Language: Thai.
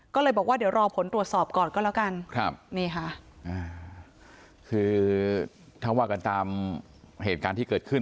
ก็เลยบอกว่าเดี๋ยวรอผลตรวจสอบก่อนก็แล้วกันนี่ค่ะคือถ้าว่ากันตามเหตุการณ์ที่เกิดขึ้น